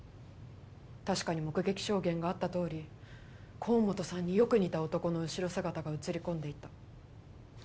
確かに目撃証言があったとおり河本さんによく似た男の後ろ姿が映り込んでいた。